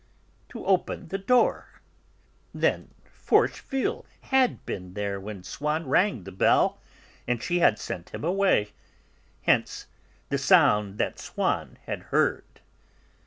To open the door! Then Forcheville had been there when Swann rang the bell, and she had sent him away; hence the sound that Swann had heard.